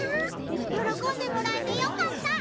喜んでもらえてよかった！